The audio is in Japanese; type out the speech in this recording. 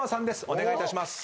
お願いいたします。